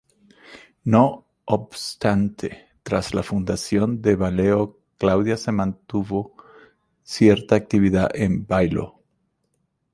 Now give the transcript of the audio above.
No obstante, tras la fundación de Baelo Claudia se mantuvo cierta actividad en Bailo.